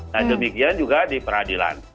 nah demikian juga di peradilan